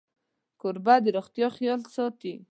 کوربه د روغتیا خیال ساتي.